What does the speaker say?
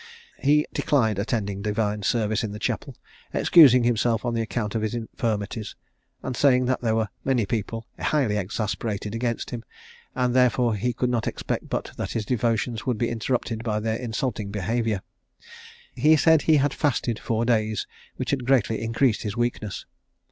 He declined attending divine service in the chapel, excusing himself on account of his infirmities, and saying that there were many people highly exasperated against him, and therefore he could not expect but that his devotions would be interrupted by their insulting behaviour. He said he had fasted four days, which had greatly increased his weakness.